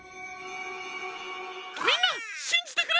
みんなしんじてくれ！